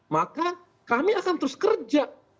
maka kami akan terus kerja